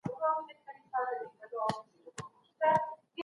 د ميرويس خان نيکه په مړینه خلګو څنګه ماتم وکړ؟